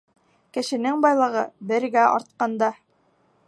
Кешенең байлығы бергә артҡанда